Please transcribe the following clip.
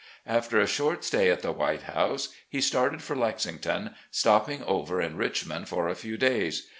After a short stay at the "White House," he started for Lexington, stopping over in Richmond for a few days.